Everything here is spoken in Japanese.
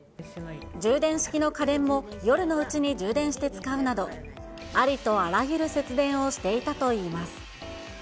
充電式の家電も夜のうちに充電して使うなど、ありとあらゆる節電をしていたといいます。